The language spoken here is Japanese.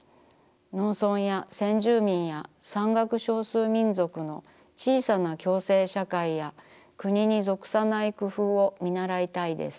農村や先住民や山岳少数民族のちいさな共生社会や国に属さないくふうをみならいたいです。